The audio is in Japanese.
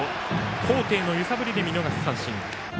高低の揺さぶりで空振り三振。